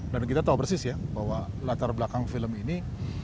dan kita tahu persis ya bahwa latar belakang film ini